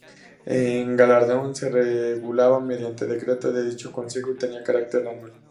El galardón se regulaba mediante decreto de dicho Consejo y tenía carácter anual.